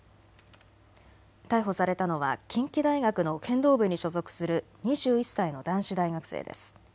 逮捕されたのは近畿大学の剣道部に所属する２１歳の男子大学生です。